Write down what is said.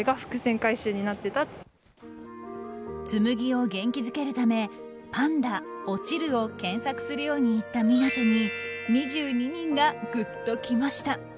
紬を元気づけるため「パンダ落ちる」を検索するように言った湊斗に２２人がグッときました。